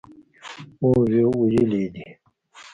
او ویلي یې دي